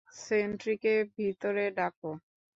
সেন্ট্রিকে ভিতরে ডাকো।